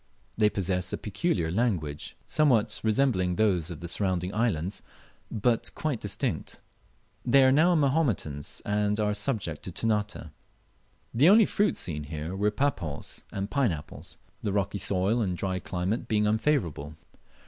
They possess a peculiar language, somewhat resembling those of the surrounding islands, but quite distinct. They are now Mahometans, and are subject to Ternate, The only fruits seen here were papaws and pine apples, the rocky soil and dry climate being unfavourable.